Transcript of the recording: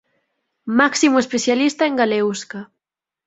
Máximo especialista en Galeusca.